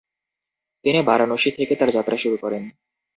তিনি বারাণসী থেকে তার যাত্রা শুরু করেন।